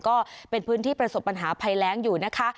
ก็เป็นพื้นที่ประสบปัญหาภัยแรงอยู่นะคะ